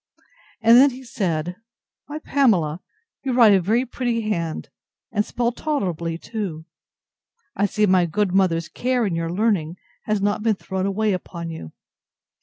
And then he said, Why, Pamela, you write a very pretty hand, and spell tolerably too. I see my good mother's care in your learning has not been thrown away upon you.